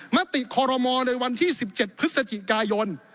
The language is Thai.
มติคอรมอลในวันที่๑๗พฤศจิกายน